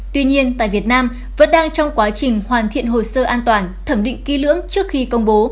tuy nhiên tại việt nam vẫn đang trong quá trình hoàn thiện hồ sơ an toàn thẩm định ký lưỡng trước khi công bố